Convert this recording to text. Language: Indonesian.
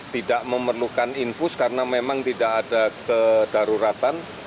tidak memerlukan infus karena memang tidak ada kedaruratan